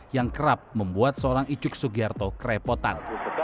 yang kerap membuat seorang icuk sugiarto kerepotan